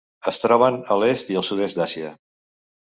Es troben a l'est i sud-est d'Àsia.